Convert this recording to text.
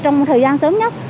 trong thời gian sớm nhất